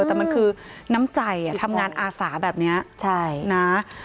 แต่มันคือน้ำใจทำงานอาสาแบบนี้ใช่นะ